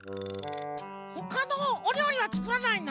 ほかのおりょうりはつくらないの？